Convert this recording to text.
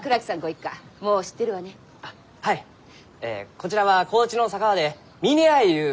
こちらは高知の佐川で峰屋ゆう